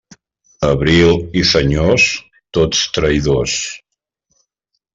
Abril i senyors, tots traïdors.